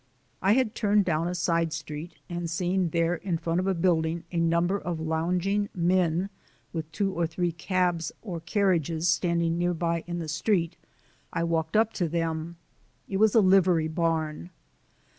I had turned down a side street, and seeing there in front of a building a number of lounging men with two or three cabs or carriages standing nearby in the street I walked up to them. It was a livery barn.